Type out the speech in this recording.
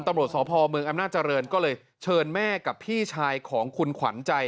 ตำรวจสพเมืองอำนาจริงก็เลยเชิญแม่กับพี่ชายของคุณขวัญใจ